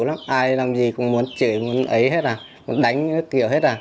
ai làm gì cũng muốn chửi muốn ấy hết à muốn đánh kiểu hết à